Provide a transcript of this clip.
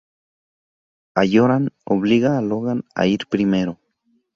Halloran obliga a Logan a ir primero.